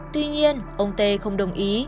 tuy nhiên ông t không đồng ý